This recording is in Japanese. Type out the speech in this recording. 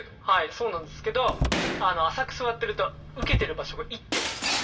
そうなんですけど浅く座ってると受けてる場所が一点なので。